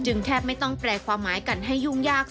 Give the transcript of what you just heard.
แทบไม่ต้องแปลความหมายกันให้ยุ่งยาก